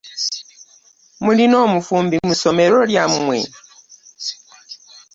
Mulina omufumbi mu ssomero lyammwe?